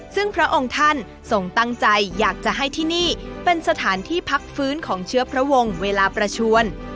ซึ่งพระองค์ท่านทรงตั้งใจอยากจะให้ที่นี่เป็นสถานที่พักฟื้นของเชื้อพระวงศ์เวลาประชวน